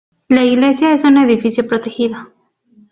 La iglesia es un edificio protegido.